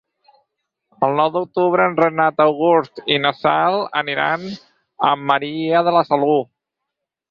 El nou d'octubre en Renat August i na Cel aniran a Maria de la Salut.